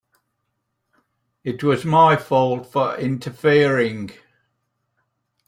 It was my fault for interfering.